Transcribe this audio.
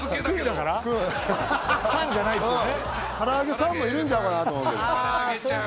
からあげさんもいるんちゃうかなと思うけどあ